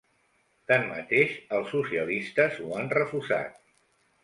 Tanmateix, els socialistes ho han refusat.